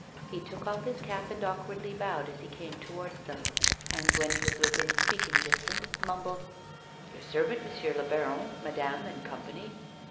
He took off his cap and awkwardly bowed as he came towards them, and, when he was within speaking distance, mumbled : "Your servant, monsieur le baron, madame and com pany."